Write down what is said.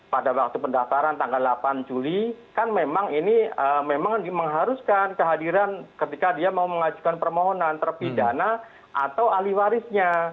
pada waktu pendaftaran tanggal delapan juli kan memang ini memang mengharuskan kehadiran ketika dia mau mengajukan permohonan terpidana atau ahli warisnya